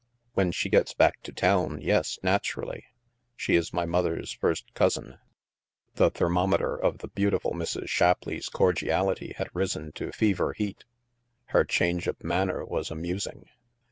" When she gets back to town ; yes, naturally. She is my mother's first cousin." The thermometer of the beautiful Mrs. Shap leigh's cordiality had risen to fever heat. Her change of manner was amusing.